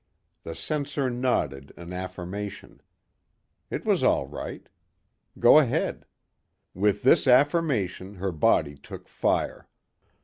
The censor nodded an affirmation. It was all right. Go ahead. With this affirmation her body took fire.